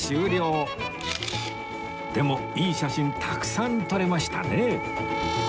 でもいい写真たくさん撮れましたね